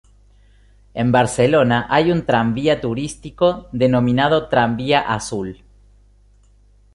En Barcelona hay un tranvía turístico denominado Tranvía Azul.